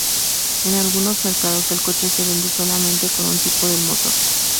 En algunos mercados, el coche se vende solamente con un tipo del motor.